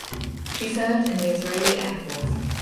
She served in the Israeli Air Force.